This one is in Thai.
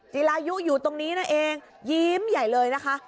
จีรายุอยู่ตรงนี้นั่นเองยิ้มใหญ่เลยนะคะ